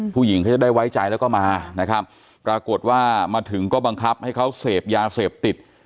ผู้หญิงเขาจะได้ไว้ใจแล้วก็มานะครับปรากฏว่ามาถึงก็บังคับให้เขาเสพยาเสพติด